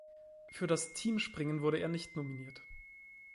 Für das Teamspringen wurde er nicht nominiert.